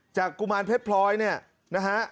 กุมารเพชรพลอยเนี่ยนะฮะ